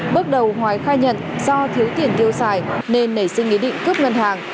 bước đầu hoài khai nhận do thiếu tiền tiêu xài nên nảy sinh ý định cướp ngân hàng